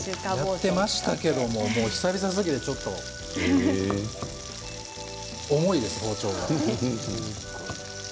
やってましたけど久々すぎて、ちょっと重いです包丁が。